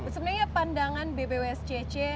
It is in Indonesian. sebenarnya pandangan bbwscc